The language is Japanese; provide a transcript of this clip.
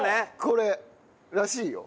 これらしいよ。